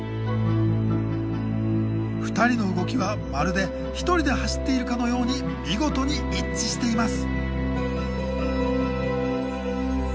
２人の動きはまるで１人で走っているかのように見事に一致しています。